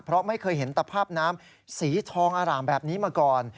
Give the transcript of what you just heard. เพราะไม่เคยเห็นตภาพน้ำสีทองอร่ามแบบนี้มาก่อน